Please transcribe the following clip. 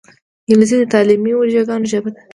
انګلیسي د تعلیمي ویدیوګانو ژبه ده